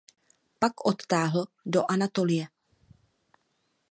Pak odtáhl do Anatolie.